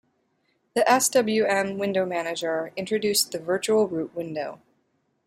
The swm window manager introduced the virtual root window.